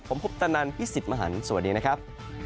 ผมคุปตะนันพี่สิทธิ์มหันฯสวัสดีนะครับ